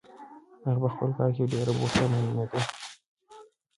هغه په خپل کار کې ډېره بوخته معلومېدله.